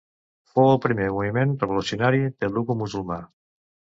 Fou el primer moviment revolucionari telugu musulmà.